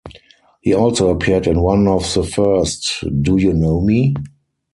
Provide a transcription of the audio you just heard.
He also appeared in one of the first Do you know me?